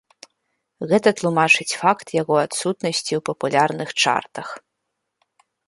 Гэта тлумачыць факт яго адсутнасці ў папулярных чартах.